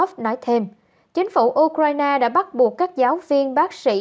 ông mocerno nói thêm chính phủ ukraine đã bắt buộc các giáo viên bác sĩ